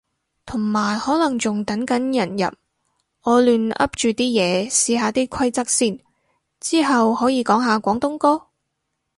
同埋可能仲等緊人入，我亂噏住啲嘢試下啲規則先。之後可以講下廣東歌？